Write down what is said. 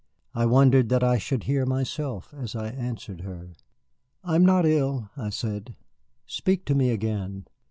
I wondered that I should hear myself as I answered her. "I am not ill," I said. "Speak to me again."